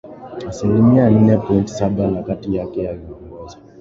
asilimia nne point Saba na kati yake inaongoza